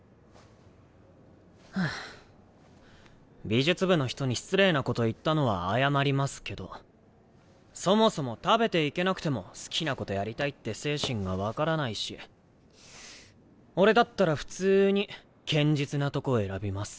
美術部の人に失礼なこと言ったのは謝りますけどそもそも食べていけなくても好きなことやりたいって精神が分からないし俺だったら普通に堅実なとこ選びます。